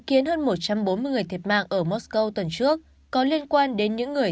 khiến hơn một trăm bốn mươi người thiệt mạng ở mosco tuần trước có liên quan đến những người